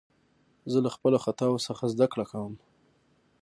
زه له خپلو خطاوو څخه زدکړه کوم.